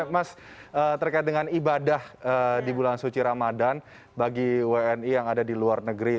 mas terkait dengan ibadah di bulan suci ramadan bagi wni yang ada di luar negeri